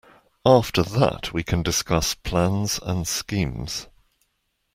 After that we can discuss plans and schemes.